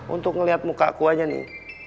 untuk ngelihat muka aku aja nih